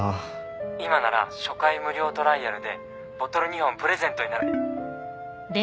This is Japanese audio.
今なら初回無料トライアルでボトル２本プレゼントになる。